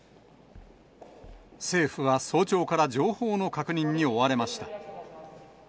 政府は早朝から情報の確認に追われました。